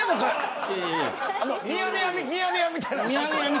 ミヤネ屋みたいな。